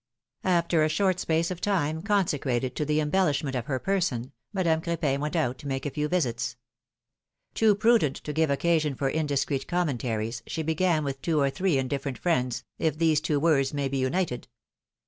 After a short space of time, consecrated to the embel lishment of her person, Madame Cr^pin went out to make a few visits. Too prudent to give occasion for indiscreet commentaries, she began with two or three indifferent friends, if these two words may be united.